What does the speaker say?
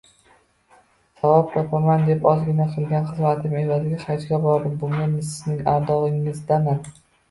Savob topaman deb ozgina qilgan xizmatim evaziga hajga bordim, bugun sizning ardog`ingizdaman